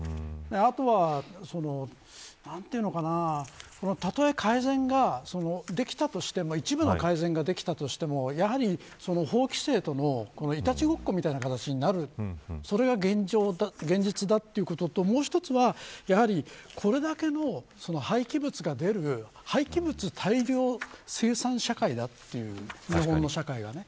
あとは、たとえ改善ができたとしても一部の改善ができたとしても法規制とのいたちごっこみたいな形になるのが現実だということともう一つは、これだけの廃棄物が出る廃棄物大量生産社会だという日本の社会がね。